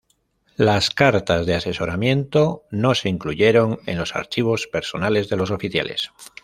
Las cartas de asesoramiento no se incluyeron en los archivos personales de los oficiales.